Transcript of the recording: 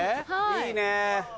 いいね。